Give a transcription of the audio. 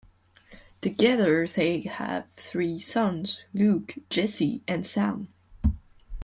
Together they have three sons, Luke, Jesse, and Sam.